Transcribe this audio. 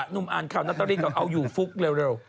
นุ่มอ่านข้าวนัตตาลีก่อนเอาอยู่ฟลุ๊กเร็ว